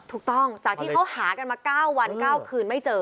ถูกต้องจากที่เขาหากันมา๙วัน๙คืนไม่เจอ